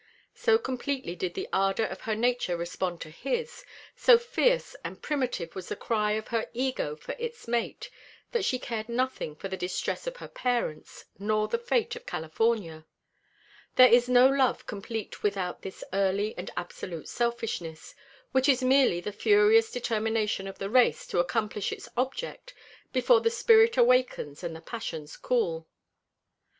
So completely did the ardor of her nature respond to his, so fierce and primitive was the cry of her ego for its mate, that she cared nothing for the distress of her parents nor the fate of California. There is no love complete without this early and absolute selfishness, which is merely the furious determination of the race to accomplish its object before the spirit awakens and the passions cool.